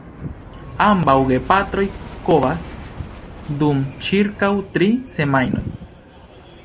Ambaŭ gepatroj kovas dum ĉirkaŭ tri semajnoj.